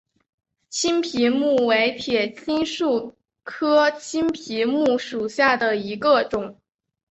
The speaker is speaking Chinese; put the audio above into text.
青皮木为铁青树科青皮木属下的一个种。